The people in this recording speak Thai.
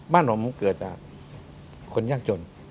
บ้านผมเกิดจากคนยากจน